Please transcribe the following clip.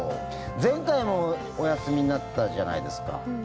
前回もお休みになったじゃないですか。